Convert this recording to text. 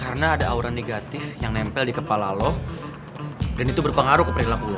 karena ada aura negatif yang nempel di kepala lo dan itu berpengaruh ke perilaku lo